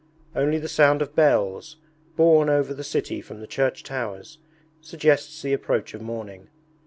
Only the sound of bells, borne over the city from the church towers, suggests the approach of morning.